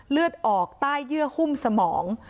เลือดออกใต้เยื่อหุ้มสมอง